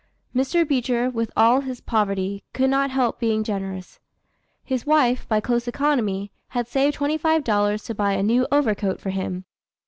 Mr. Beecher, with all his poverty, could not help being generous. His wife, by close economy, had saved twenty five dollars to buy a new overcoat for him.